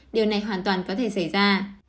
điều này hoàn toàn có thể xảy ra